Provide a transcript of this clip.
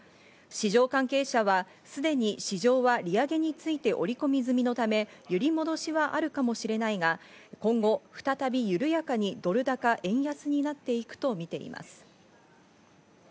市場関係者はすでに市場は利上げについて織り込み済みのため揺り戻しはあるかもしれないが、今後、再び緩やかにドル高円安になっていくとみています。